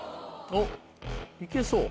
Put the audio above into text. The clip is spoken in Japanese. おっ行けそう。